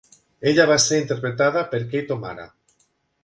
Ella va ser interpretada per Kate O'Mara.